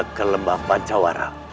aku hendak ke lembah pancawara